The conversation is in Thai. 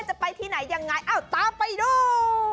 จะไปที่ไหนยังไงอ้าวตามไปดู